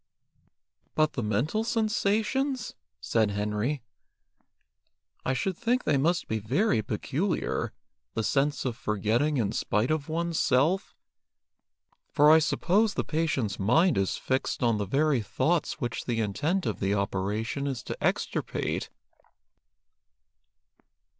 "But the mental sensations ?" said Henry. "I should think they must be very peculiar, the sense of forgetting in spite of one's self, for I suppose the patient's mind is fixed on the very thoughts which the intent of the operation is to extirpate."